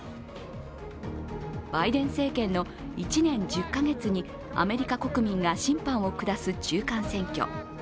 バイデン政権の１年１０か月にアメリカ国民が審判を下す中間選挙。